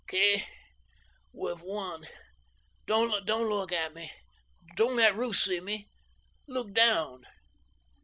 "Kay, we've won. Don't look at me. Don't let Ruth see me! Look down!"